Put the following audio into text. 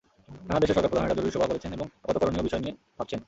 নানা দেশের সরকারপ্রধানেরা জরুরি সভা করেছেন এবং আপাতকরণীয় বিষয় নিয়ে ভাবছেন।